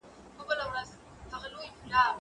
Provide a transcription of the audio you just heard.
زه امادګي نه نيسم؟